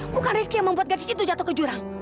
bukan rizky yang membuat gaji itu jatuh ke jurang